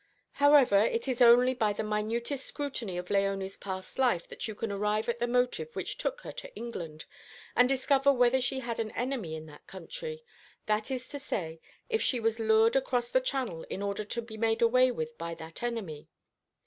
However, it is only by the minutest scrutiny of Léonie's past life that you can arrive at the motive which took her to England, and discover whether she had an enemy in that country that is to say, if she was lured across the Channel in order to be made away with by that enemy.